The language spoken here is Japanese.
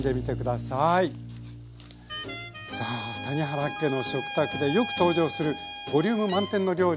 さあ谷原家の食卓でよく登場するボリューム満点の料理